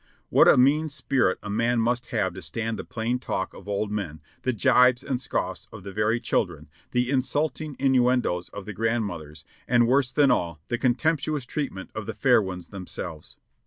What a mean spirit a man must have to stand the plain talk of old men, the jibes and scoffs of the very children, the insulting innuendoes of the grandmothers, and worse than all, the contemptuous treatment of the fair ones themselves.